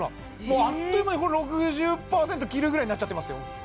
もうあっという間に６０％切るぐらいになっちゃってますよ